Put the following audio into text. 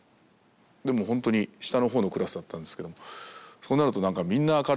でもほんとに下の方のクラスだったんですけどもそうなるとなんかみんな明るくて。